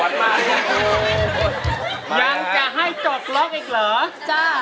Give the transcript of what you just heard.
ยังจะให้จดล็อกอีกเหรอจ้า